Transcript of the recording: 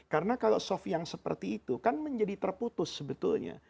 karena kalau soft yang seperti itu kan menjadi terputus sebetulnya